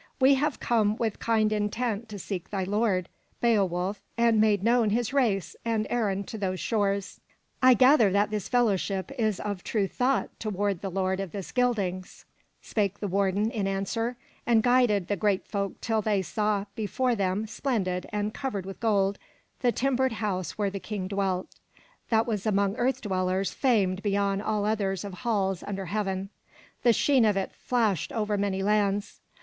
'' "We have come with kind intent to seek thy lord," said Beo wulf, and made known his race and errand to those shores. "I gather that this fellowship is of true thought toward the lord of the Scyldings,*' spake the warden in answer and guided the Geat folk till they saw before them, splendid and covered with gold, the timbered house where the King dwelt, that was among earth dwellers famed beyond all others of halls under heaven, — the sheen of it flashed over many lands.